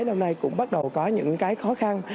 năm nay cũng bắt đầu có những cái khó khăn